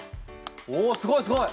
おおすごいすごい！